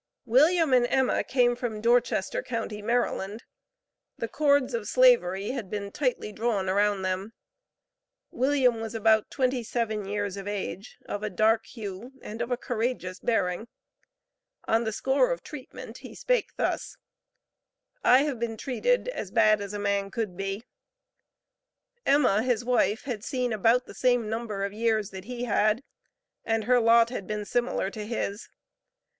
William and Emma came from Dorchester county, Maryland. The cords of Slavery had been tightly drawn around them. William was about twenty seven years of age, of a dark hue, and of a courageous bearing. On the score of treatment he spake thus: "I have been treated as bad as a man could be." Emma, his wife, had seen about the same number of years that he had, and her lot had been similar to his.